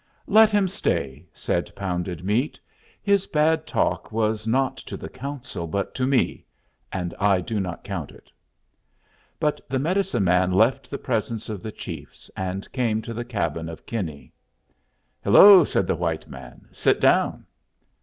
"Let him stay," said Pounded Meat. "His bad talk was not to the council, but to me, and I do not count it." But the medicine man left the presence of the chiefs, and came to the cabin of Kinney. "Hello!" said the white man. "Sit down."